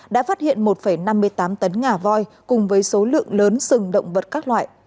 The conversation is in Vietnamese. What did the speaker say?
đã phát hiện một năm mươi tám tấn ngà voi cùng với số lượng lớn sừng động vật các loại